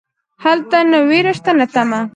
هلته نه ویره شته نه تمه.